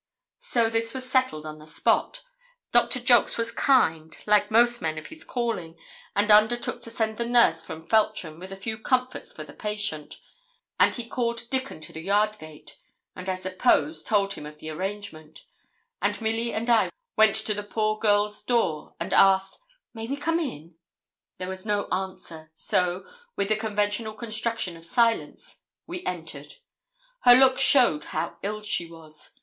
So this was settled on the spot. Doctor Jolks was kind, like most men of his calling, and undertook to send the nurse from Feltram with a few comforts for the patient; and he called Dickon to the yard gate, and I suppose told him of the arrangement; and Milly and I went to the poor girl's door and asked, 'May we come in?' There was no answer. So, with the conventional construction of silence, we entered. Her looks showed how ill she was.